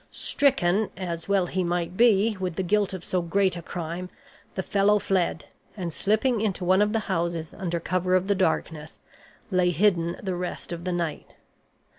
Stricken, as well he might be, with the guilt of so great a crime, the fellow fled, and, slipping into one of the houses under cover of the darkness, lay hidden the rest of the night.